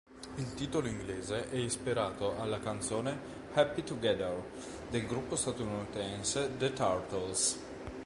Il titolo inglese è ispirato alla canzone "Happy Together" del gruppo statunitense The Turtles.